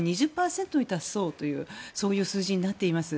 ２０％に達しそうというそういう数字になっています。